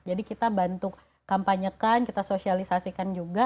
jadi kita bantu kampanyekan kita sosialisasikan juga